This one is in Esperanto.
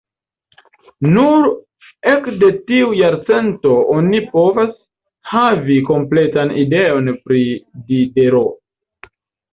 Nur ekde tiu jarcento oni povas havi kompletan ideon pri Diderot.